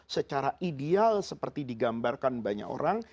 secara ideal seperti digambarkan banyak orang